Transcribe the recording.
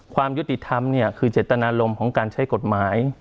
ความยุติธรรมเนี่ยคือเจตนารมณ์ของการใช้กฎหมาย